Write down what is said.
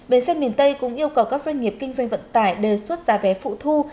bến xe miền tây cũng yêu cầu các doanh nghiệp kinh doanh vận tải đề xuất giá vé phụ thu